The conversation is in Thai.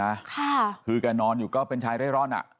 ภาพต่อเนื่องนะค่ะคือแกนอนอยู่ก็เป็นชายเร่อยร่อนอ่ะอ๋อ